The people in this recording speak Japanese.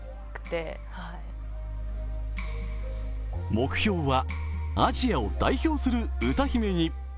目標はアジアを代表する歌姫に！